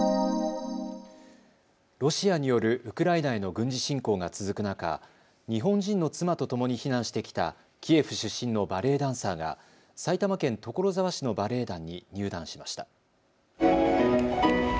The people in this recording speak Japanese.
ロシアによるウクライナへの軍事侵攻が続く中、日本人の妻とともに避難してきたキエフ出身のバレエダンサーが埼玉県所沢市のバレエ団に入団しました。